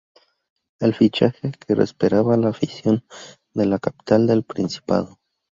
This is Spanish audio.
Es el fichaje que esperaba la afición de la capital del Principado.